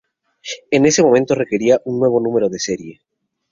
En ese momento requería un nuevo número de serie.